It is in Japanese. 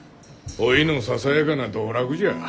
おいのささやかな道楽じゃ。